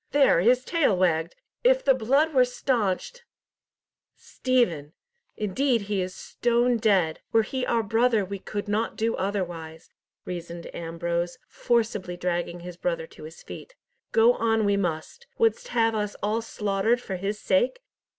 There, his tail wagged! If the blood were staunched—" "Stephen! Indeed he is stone dead! Were he our brother we could not do otherwise," reasoned Ambrose, forcibly dragging his brother to his feet. "Go on we must. Wouldst have us all slaughtered for his sake?